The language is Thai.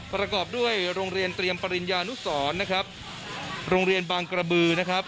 ประกอบด้วยโรงเรียนเตรียมปริญญานุสรนะครับโรงเรียนบางกระบือนะครับ